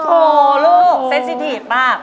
โอ๊ะลูกเซ็นซิตีสมาก